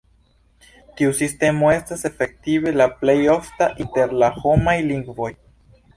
Tiu sistemo estas efektive la plej ofta inter la homaj lingvoj.